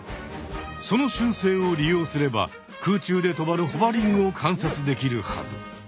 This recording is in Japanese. その習性を利用すれば空中でとまるホバリングを観察できるはず。